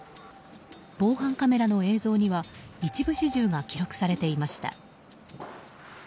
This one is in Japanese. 防犯カメラの映像には一部始終が記録されていました。